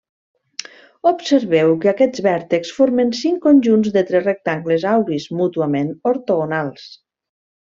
Observeu que aquests vèrtexs formen cinc conjunts de tres rectangles auris mútuament ortogonals.